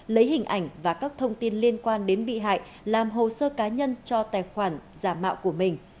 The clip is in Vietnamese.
lấy hình ảnh và các thông tin liên quan đến bị hại làm hồ sơ cá nhân cho tài khoản giả mạo của mình